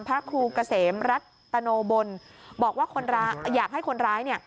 พระครูเกษมรัฐโตโนบลบอกว่าอยากให้คนร้าย